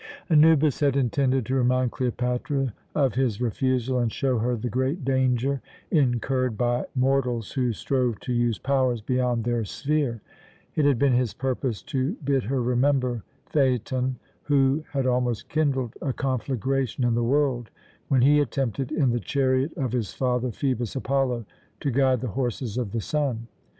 Anubis had intended to remind Cleopatra of his refusal, and show her the great danger incurred by mortals who strove to use powers beyond their sphere. It had been his purpose to bid her remember Phaeton, who had almost kindled a conflagration in the world, when he attempted, in the chariot of his father, Phœbus Apollo, to guide the horses of the sun.